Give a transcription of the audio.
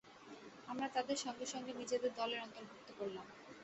আমরা তাদের সঙ্গে সঙ্গে নিজেদের দলের অন্তর্ভুক্ত করলাম।